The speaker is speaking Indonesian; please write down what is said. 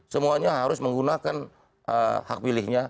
semuanya harus menggunakan hak pilihnya